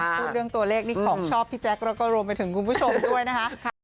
พูดเรื่องตัวเลขนี่ของชอบพี่แจ๊คแล้วก็รวมไปถึงคุณผู้ชมด้วยนะคะ